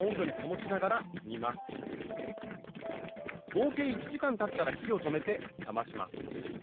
合計１時間たったら火を止めて冷まします。